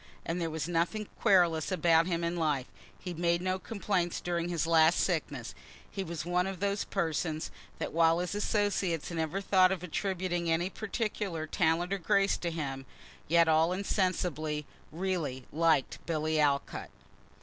As there was nothing querulous about him in life, he made no complaints during his last sickness. He was one of those persons that while his associates never thought of attributing any particular talent or grace to him, yet all insensibly, really, liked Billy Alcott.